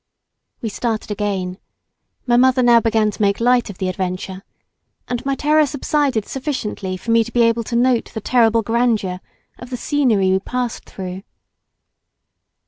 We started again. My mother now began to make light of the adventure, and my terror subsided sufficiently for me to be able to note the terrible grandeur of the scenery we passed through.